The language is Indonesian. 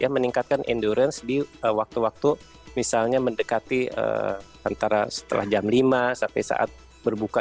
meningkatkan endurance di waktu waktu misalnya mendekati antara setelah jam lima sampai saat berbuka